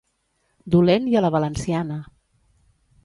Dolent i a la valenciana.